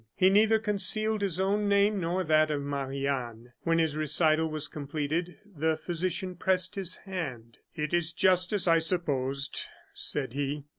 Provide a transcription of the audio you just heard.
He neither concealed his own name nor that of Marie Anne. When his recital was completed, the physician pressed his hand. "It is just as I supposed," said he.